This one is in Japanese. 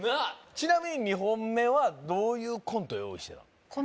ちなみに２本目はどういうコントを用意してたの？